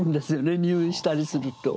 入院したりすると。